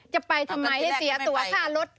จะไปทำไมให้เสียตัวค่ารถ